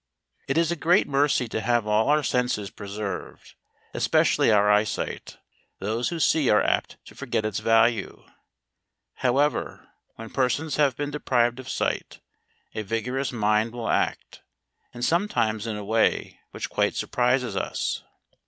It is a great mercy to have all our senses pre¬ served, especially our eyesight: those who see are apt to forget its value. However, when persons have been deprived of sight, a vigorous mind will act; and sometimes in a way which quite surprises us.